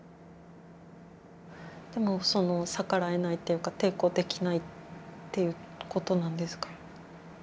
でもその逆らえないっていうか抵抗できないっていうことなんですか。